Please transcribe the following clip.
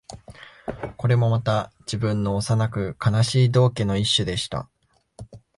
これもまた、自分の幼く悲しい道化の一種でした